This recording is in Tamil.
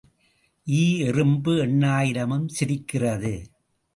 ஈ எறும்பு எண்ணாயிரமும் சிரிக்கிறது.